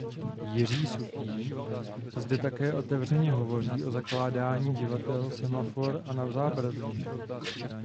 Jiří Suchý zde také otevřeně hovoří o zakládání divadel Semafor a Na zábradlí.